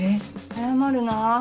早まるな。